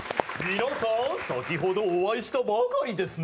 皆さん、先ほどお会いしたばかりですね。